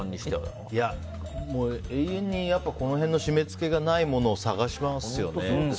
永遠にこの辺の締め付けがないものを探しますよね。